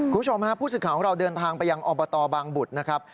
คุณผู้สึกของของเราเดินทางไปยังอบตบางบุตรนะครับ